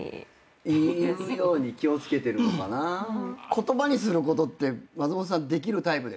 言葉にすることって松本さんできるタイプですか？